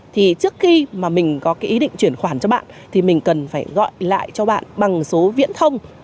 thì trước khi mà mình có cái ý định chuyển khoản cho bạn thì mình cần phải gọi lại cho bạn bằng số viễn thông